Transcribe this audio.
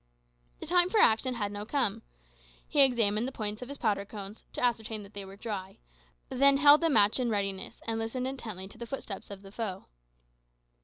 The time for action had now come. He examined the points of his powder cones, to ascertain that they were dry, then held a match in readiness, and listened intently to the footsteps of the foe.